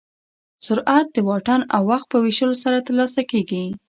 سرعت د واټن او وخت په ویشلو سره ترلاسه کېږي.